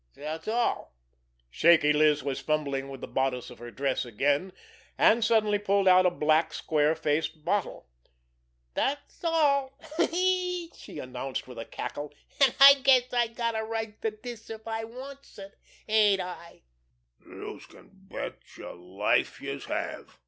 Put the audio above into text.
Dat's all!" Shaky Liz was fumbling with the bodice of her dress again, and suddenly pulled out a black, square faced bottle. "Dat's all!" she announced with a cackle. "An' I guess I gotta right to dis if I wants it—ain't I?" "Youse can bet yer life youse have!"